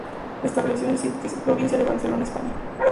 Se estableció en Sitges, provincia de Barcelona, España.